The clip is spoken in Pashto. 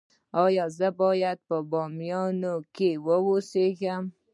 ایا زه باید په بامیان کې اوسم؟